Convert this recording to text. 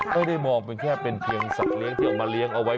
ไม่ได้มองเป็นแค่เป็นเพียงสัตว์เลี้ยงที่เอามาเลี้ยงเอาไว้